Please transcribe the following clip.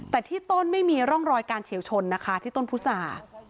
แต่ที่ต้นไม่มีร่องรอยการเฉียวชนนะคะที่ต้นพุษา